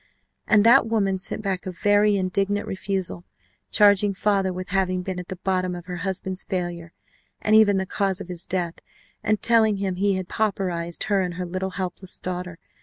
And that woman sent back a very indignant refusal, charging father with having been at the bottom of her husband's failure, and even the cause of his death, and telling him he had pauperized her and her little helpless daughter.